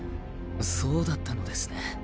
そうだったのですね。